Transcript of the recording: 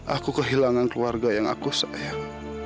aku kehilangan keluarga yang aku sayang